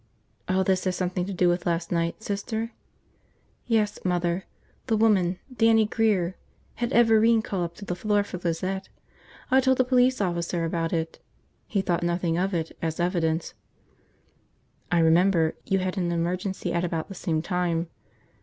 "All this has something to do with last night, Sister?" "Yes, Mother. The woman – Dannie Grear – had Everine call up to the floor for Lizette. I told the police officer about it. He thought nothing of it, as evidence." "I remember. You had an emergency at about the same time."